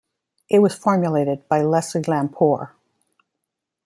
It was formulated by Leslie Lamport.